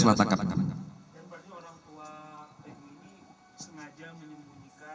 seorang orang tua tni yang sengaja menimbulkan bahwa dia akan memakan